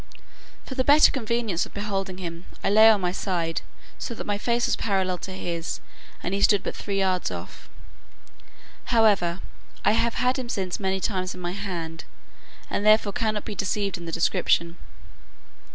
For the better convenience of beholding him, I lay on my side, so that my face was parallel to his, and he stood but three yards off: however, I have had him since many times in my hand, and therefore cannot be deceived in the description.